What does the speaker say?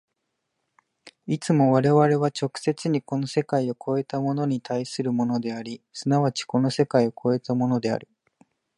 いつも我々は直接にこの世界を越えたものに対するものであり、即ちこの世界を越えたものである。